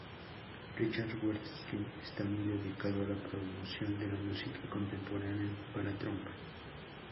Richard Watkins está muy dedicado a la promoción de la música contemporánea para trompa.